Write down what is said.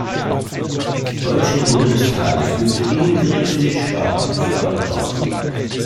Deutschen Bundestages übte Ingrid Fischbach dieses Amt aus.